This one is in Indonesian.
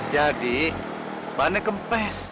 jadi bahannya kempes